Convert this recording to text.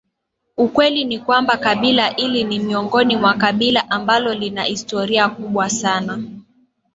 Ukweli ni kwamba kabila hili ni miongoni mwa kabila ambalo lina historia kubwa sana